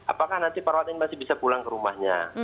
apakah nanti perawat ini masih bisa pulang ke rumahnya